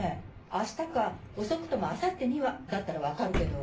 「明日か遅くとも明後日には」だったら分かるけど。